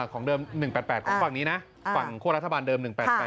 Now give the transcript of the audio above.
ของเดิม๑๘๘ของฝั่งนี้นะฝั่งคั่วรัฐบาลเดิม๑๘๘